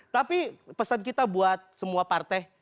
tapi pesan kita buat semua partai